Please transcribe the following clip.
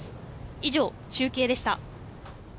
以上、中継でした。